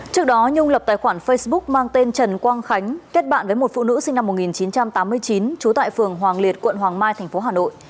trước đó nhung lập tài khoản facebook mang tên trần quang khánh kết bạn với một phụ nữ sinh năm một nghìn chín trăm tám mươi chín trú tại phường hoàng liệt quận hoàng mai tp hà nội